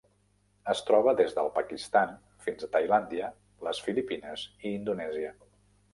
Es troba des del Pakistan fins a Tailàndia, les Filipines i Indonèsia.